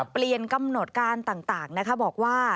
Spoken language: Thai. เปลี่ยนกำหนดการต่างนะคะบอกว่า